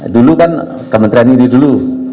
dulu kan kementerian ini dulu